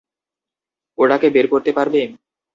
ওটাকে বের করতে পারবে?